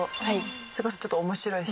それこそちょっと面白い人。